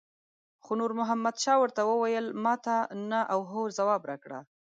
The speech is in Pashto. خو نور محمد شاه ورته وویل ماته نه او هو ځواب راکړه.